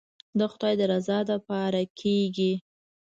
د خداى د رضا دپاره کېګي.